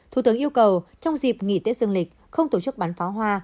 thủ tướng yêu cầu trong dịp nghỉ tết dương lịch không tổ chức bắn pháo hoa